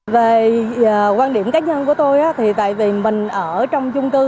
về quan điểm cá nhân của tôi thì tại vì mình ở trong chung cư